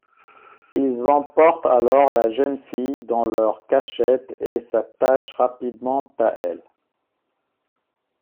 Ils emportent alors la jeune fille dans leur cachette et s'attachent rapidement à elle.